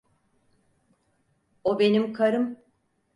O benim karım.